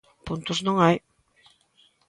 Puntos non hai.